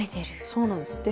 そうなんです。